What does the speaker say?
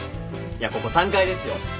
いやここ３階ですよ。